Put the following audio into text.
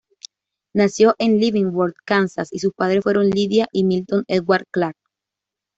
Nació en Leavenworth, Kansas, y sus padres fueron Lydia y Milton Edward Clark.